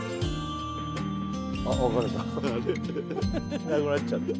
いなくなっちゃった